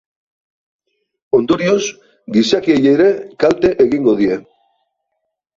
Ondorioz, gizakiei ere kalte egingo die.